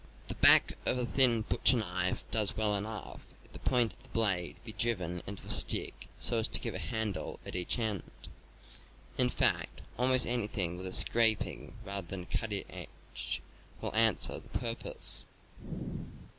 The back of a thin butcher knife does well enough, if the point of the blade be driven into a stick so as to give a handle at each end. In fact, almost anything with a scraping rather than a cutting edge will answer the purpose.